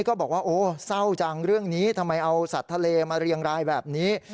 ก็บอกว่าโอ้เศร้าจังเรื่องนี้ทำไมเอาสัตว์ทะเลมาเรียงรายแบบนี้